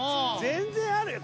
全然あるよ。